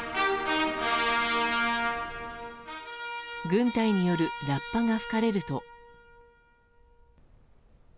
軍隊によるラッパが吹かれると。